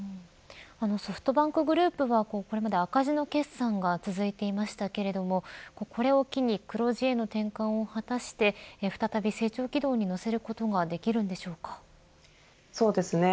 ソフトバンクグループはこれまで赤字の決算が続いていましたけれどもこれを機に黒字への転換を果たして再び成長軌道に乗せることがそうですね。